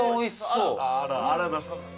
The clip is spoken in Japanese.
ありがとうございます。